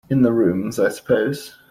In the rooms, I suppose?